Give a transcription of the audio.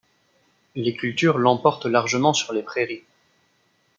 Les cultures l'emportent largement sur les prairies.